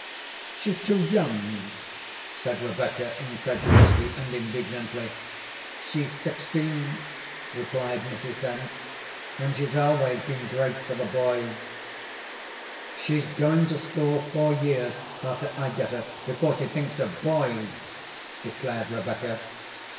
"She's too young," said Rebecca incredulously and indignantly. "She's sixteen," replied Mrs. Dent; "and she's always been great for the boys." "She's going to school four years after I get her before she thinks of boys," declared Rebecca.